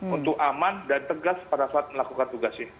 untuk aman dan tegas pada saat melakukan tugasnya